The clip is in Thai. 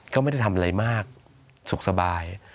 ก็ไม่ได้ทำอะไรมากสุขสบาย